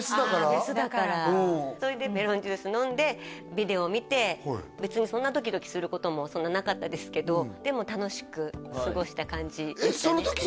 メスだからだそれでメロンジュース飲んでビデオ見て別にそんなドキドキすることもそんななかったですけどでも楽しく過ごした感じでしたねえっ